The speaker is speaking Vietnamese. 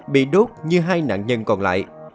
bị đốt như hai nạn nhân còn lại